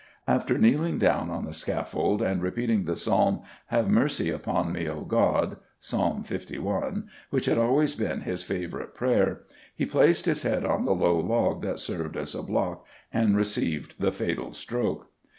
After kneeling down on the scaffold and repeating the Psalm 'Have mercy upon me, O God' (Ps. li), which had always been his favourite prayer, he placed his head on the low log that served as a block, and received the fatal stroke."